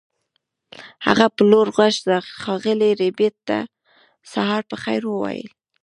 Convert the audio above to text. هغه په لوړ غږ ښاغلي ربیټ ته سهار په خیر وویل